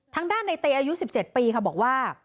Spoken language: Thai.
ทางด้านในเตอายุ๑๗ปีค่ะบอกว่า